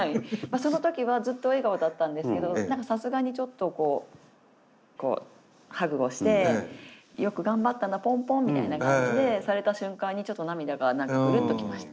その時はずっと笑顔だったんですけどさすがにちょっとこうハグをしてよく頑張ったなポンポンみたいな感じでされた瞬間にちょっと涙がうるっときました。